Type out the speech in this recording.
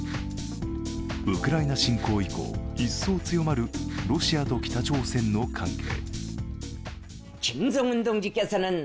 ウクライナ侵攻以降、一層強まるロシアと北朝鮮の関係。